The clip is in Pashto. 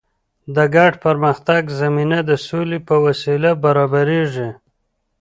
د ګډ پرمختګ زمینه د سولې په وسیله برابریږي.